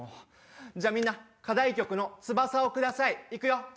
じゃあみんな課題曲の『翼をください』行くよ。